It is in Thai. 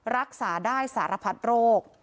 รักษาได้สารพัดโรค